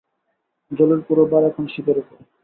জলের পুরো ভার এখন শিপের উপর।